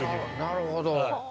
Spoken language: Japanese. なるほど。